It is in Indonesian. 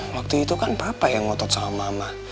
waktu itu kan papa yang ngotot sama mama